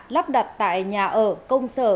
lắp đặt tại nhà ở công sở